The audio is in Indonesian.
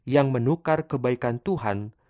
yang menukar kebaikan tuhan